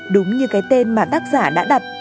đúng như cái tên mà tác giả đã đặt